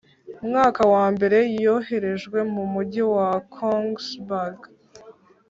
mwaka wa mbere yoherejwe mu mugi wa Kongsberg